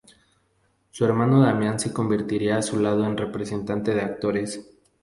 Su hermano Damián se convertiría a su lado en representante de actores.